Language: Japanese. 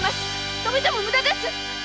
とめても無駄です！